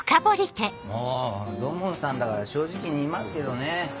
もう土門さんだから正直に言いますけどね。